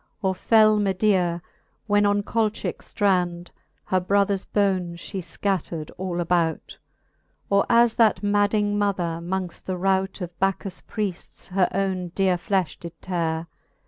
Or fell Medea, when on Colchicke ftrand Her brothers bones fhe fcattered all about 5 Or as that madding mother, mongft the rout Of Bacchus Priefts her owne deare flefh did teare.